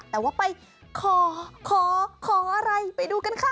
แต่ว่าไปขอขออะไรไปดูกันค่ะ